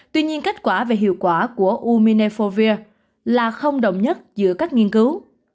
tuy nhiên kết quả về hiệu quả của uminefovir là không đồng nhất giữa các nghiên cứu